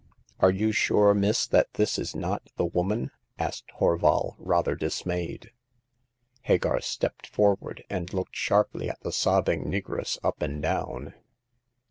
Are you sure, miss, that this is not the woman ?" asked Horval, rather dismayed. Hagar stepped forward, and looked sharply at the sobbing negress up and down.